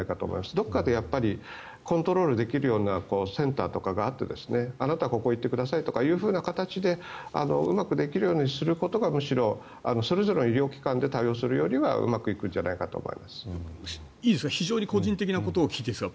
どこかでコントロールできるようなセンターがあってあなたここ行ってくださいというような形でうまくできるような形にするのがむしろそれぞれの医療機関で対応するよりは非常に個人的なことを聞いていいですか？